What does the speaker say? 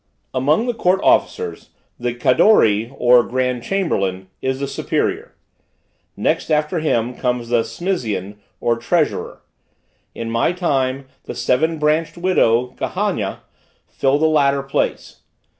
Among the court officers the Kadori, or grand chamberlain, is the superior. Next after him comes the Smizian, or treasurer. In my time, the seven branched widow, Kahagna, filled the latter place.